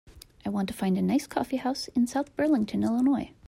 I want to find a nice coffeehouse in South Burlington Illinois